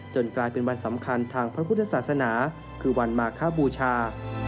กลายเป็นวันสำคัญทางพระพุทธศาสนาคือวันมาคบูชา